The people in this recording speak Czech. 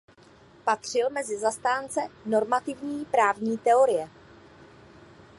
Patřil mezi zastánce normativní právní teorie.